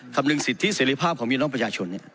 คำเนื่องสิทธิศรีภาพของยุติน้องประชาชน